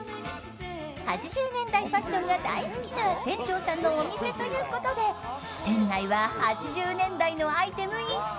８０年代ファッションが大好きな店長さんのお店ということで店内は８０年代のアイテム一色。